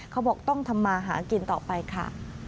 เขาบอกต้องทำมาหากินต่อไปค่ะ